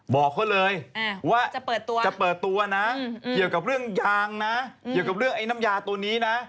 บอกเขาเลยว่าจะเปิดตัวจะเปิดตัวนะเกี่ยวกับเรื่องยางนะเกี่ยวกับเรื่องไอ้น้ำยาตัวนี้นะ